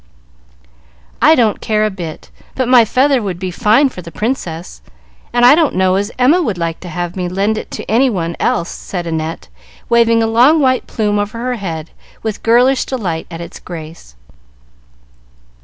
"I don't care a bit, but my feather would be fine for the Princess, and I don't know as Emma would like to have me lend it to any one else," said Annette, waving a long white plume over her head, with girlish delight in its grace.